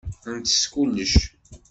Ntess kullec.